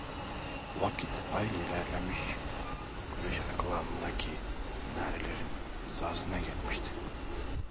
Vakit hayli ilerlemiş, güneş arkalarındaki minarelerin hizasına gelmişti.